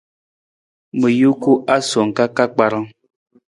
Ma juku asowang ka ka kparang.